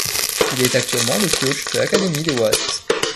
Il est actuellement le coach de l'académie des Wasps.